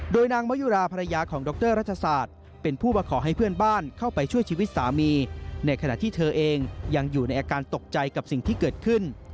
โดยนางมะยุราภรรยาของดรรัชศาสตร์เป็นผู้มาขอให้เพื่อนบ้านเข้าไปช่วยชีวิตสามีในขณะที่เธอเองยังอยู่ในอาการตกใจกับสิ่งที่เกิดขึ้น